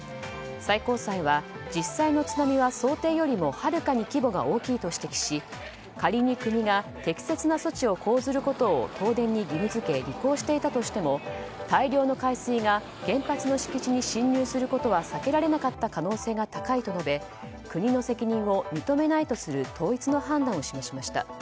最高裁は実際の津波は想定よりもはるかに規模が大きいと指摘し仮に国が適切な措置を講ずることを東電に義務付け履行していたとしても大量の海水が原発の敷地に侵入することは避けられなかった可能性が高いと述べ国の責任を認めないとする統一の判断を示しました。